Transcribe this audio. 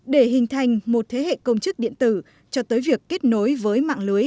để hình thành một thế hệ công chức điện tử cho tới việc kết nối với mạng lưới